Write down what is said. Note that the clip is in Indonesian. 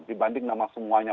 dibanding nama semuanya